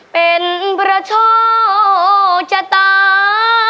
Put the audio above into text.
เป็นประโชคชะตา